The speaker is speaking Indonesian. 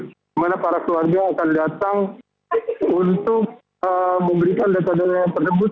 di mana para keluarga akan datang untuk memberikan data datanya tersebut